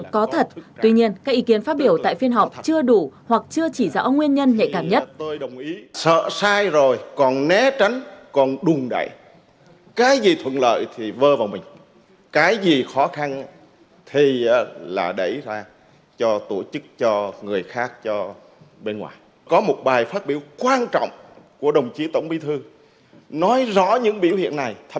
có thật tuy nhiên các ý kiến phát biểu tại phiên họp chưa đủ hoặc chưa chỉ ra ông nguyên nhân nhạy cảm nhất